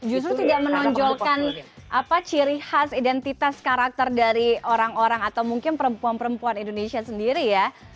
justru tidak menonjolkan ciri khas identitas karakter dari orang orang atau mungkin perempuan perempuan indonesia sendiri ya